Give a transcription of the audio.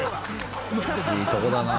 いいとこだな。